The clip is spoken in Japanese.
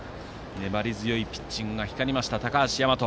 粘り強いピッチングが光りました高橋大和。